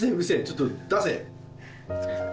ちょっと出せ。